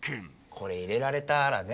これ入れられたらね